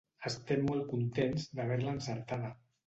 Estem molt contents d’haver-la encertada.